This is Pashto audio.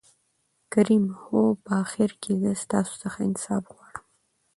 کريم : هو په آخر کې زه ستاسو څخه انصاف غواړم.